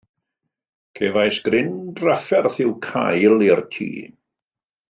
Cefais gryn drafferth i'w cael i'r tŷ.